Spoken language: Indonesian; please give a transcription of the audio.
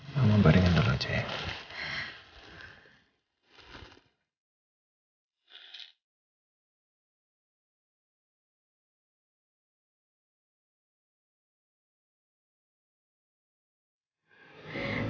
mama baringan dulu aja ya